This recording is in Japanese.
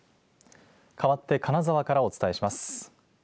かわって金沢からお伝えします。